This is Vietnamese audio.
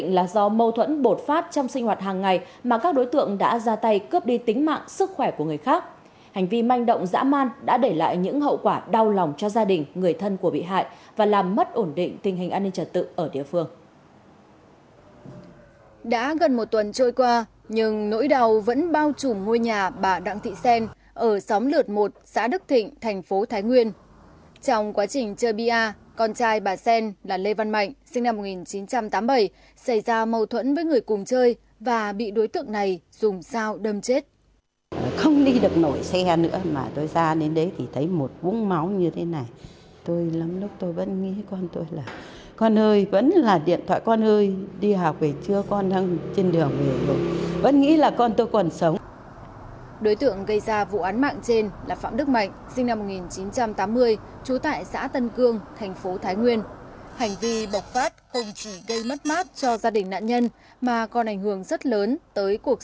nên chủ yếu là do mâu thuẫn thủ tức bột phát